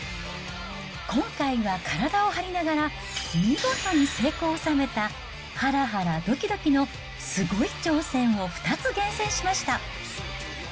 今回は体を張りながら見事に成功を収めたはらはらどきどきのすごい挑戦を２つ厳選しました。